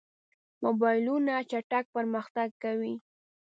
موبایلونه چټک پرمختګ کوي.